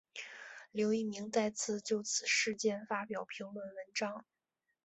刘逸明再次就此事件发表评论文章。